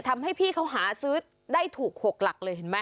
ทำให้พี่เขาหาซื้อได้ถูก๖หลักเลยเห็นไหม